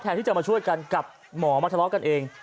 ที่จะมาช่วยกันกับหมอมาทะเลาะกันเอง